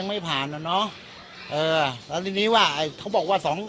ไม่ผ่านอ่ะเนอะเออแล้วทีนี้ว่าไอ้เขาบอกว่าสอง